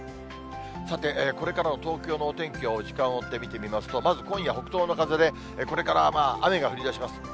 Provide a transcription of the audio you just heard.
さて、これからの東京のお天気を、時間を追って見てみますと、まず今夜、北東の風で、これから雨が降りだします。